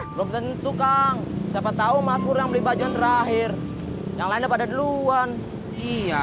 belum tentu kang siapa tahu makmur yang beli baju yang terakhir yang lainnya pada duluan iya